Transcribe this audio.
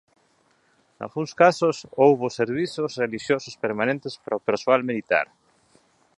Nalgúns casos houbo servizos relixiosos permanentes para o persoal militar.